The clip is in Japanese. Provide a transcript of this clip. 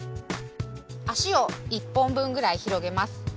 足を１本分ぐらい広げます。